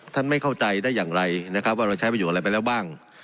ไม่เข้าใจได้อย่างไรนะครับว่าเราใช้ประโยชนอะไรไปแล้วบ้าง